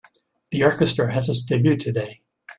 The orchestra has its debut today.